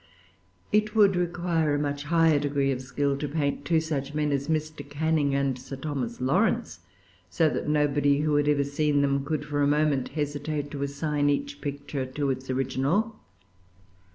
It would require a much higher degree of skill to paint two such men as Mr. Canning and Sir Thomas Lawrence, so that nobody who had ever seen them could for a moment hesitate to assign each picture to its original.